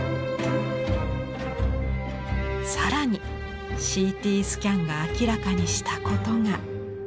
更にＣＴスキャンが明らかにしたことが。